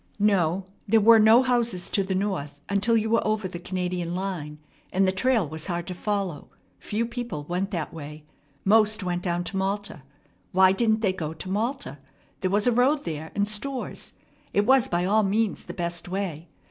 No, there were no houses to the north until you were over the Canadian line, and the trail was hard to follow. Few people went that way. Most went down to Malta. Why didn't they go to Malta? There was a road there, and stores. It was by all means the best way.